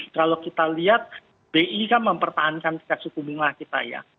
kalau kita lihat bi kan mempertahankan tingkat suku bunga kita ya